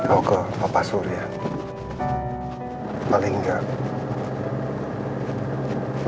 tapi sekarang bu